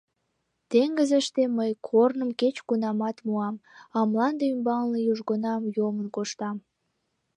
Теҥызыште мый корным кеч-кунамат муам, а мланде ӱмбалне южгунам йомын коштам.